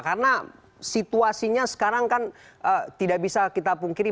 karena situasinya sekarang kan tidak bisa kita pungkiri